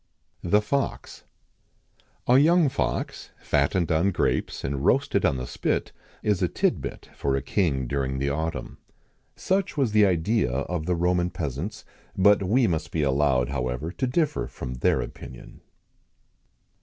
THE FOX. A young fox, fattened on grapes, and roasted on the spit, is a tidbit for a king during the autumn.[XIX 109] Such was the idea of the Roman peasants; but we must be allowed, however, to differ from their opinion.